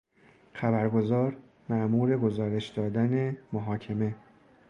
خبرگزار مامور گزارش دادن محاکمه